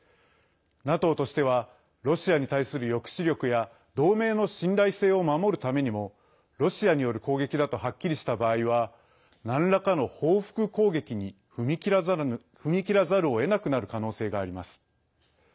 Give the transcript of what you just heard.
ＮＡＴＯとしてはロシアに対する抑止力や同盟の信頼性を守るためにもロシアによる攻撃だとはっきりした場合は何らかの報復攻撃に踏み切らざるをえなくなる可能性があります。